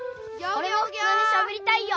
おれもふつうにしゃべりたいよ！